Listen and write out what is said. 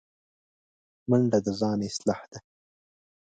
منډه د ځان اصلاح ده